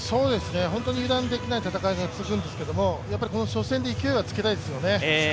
本当に油断できない戦いが続くんですけど、やっぱりこの初戦で勢いはつけたいですよね。